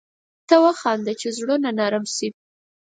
ته وخانده چي زړونه نرم شي